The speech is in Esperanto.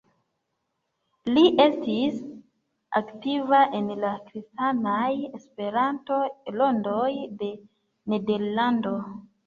Li estis aktiva en la kristanaj Esperanto-rondoj de Nederlando.